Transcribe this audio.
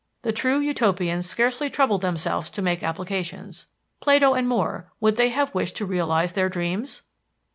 The true Utopians scarcely troubled themselves to make applications. Plato and More would they have wished to realize their dreams?